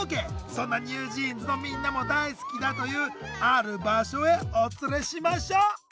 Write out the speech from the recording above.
そんなＮｅｗＪｅａｎｓのみんなも大好きだというある場所へお連れしましょう！